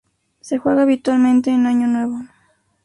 Se juega habitualmente en año nuevo.